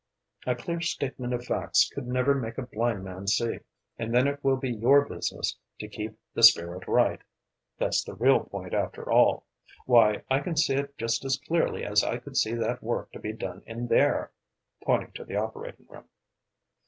A clear statement of facts could never make a blind man see. And then it will be your business to keep the spirit right that's the real point, after all. Why, I can see it just as clearly as I could see that work to be done in there!" pointing to the operating room.